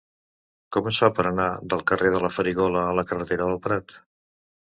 Com es fa per anar del carrer de la Farigola a la carretera del Prat?